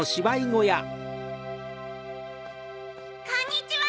こんにちは。